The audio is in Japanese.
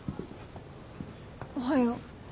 おはよう。